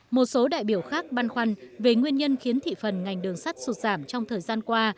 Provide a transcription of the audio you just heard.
một số đại biểu khác băn khoăn về nguyên nhân khiến thị phần ngành đường sắt sụt giảm trong thời gian qua